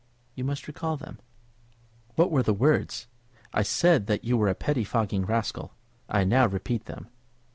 You must recall them." "What were the words? I said that you were a pettifogging rascal. I now repeat them."